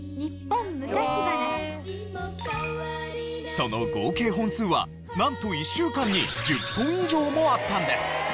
その合計本数はなんと１週間に１０本以上もあったんです。